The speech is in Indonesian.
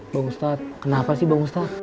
bang ustadz kenapa sih bang ustaz